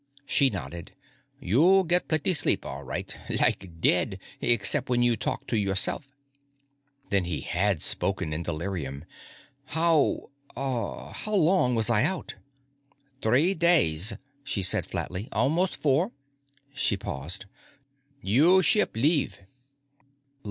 She nodded. "You get plenty sleep, all right. Like dead, except when you talk to yourself." Then he had spoken in delirium. "How ... how long was I out?" "Three days," she said flatly. "Almost four." She paused. "You ship leave."